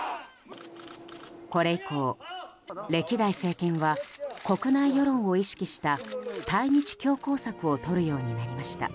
これ以降、歴代政権は国内世論を意識した対日強硬策をとるようになりました。